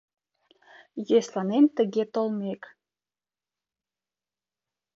Йӧсланен тыге толмек».